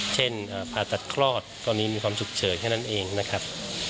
เช่นผ่าตัดคลอดตอนนี้มีความฉุกเฉินแค่นั้นเองนะครับ